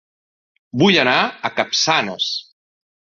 Vull anar a Capçanes